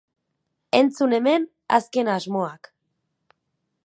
Entzun hemen azken asmoak.